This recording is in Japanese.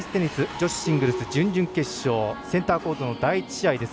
女子シングルス準々決勝センターコートの第１試合です。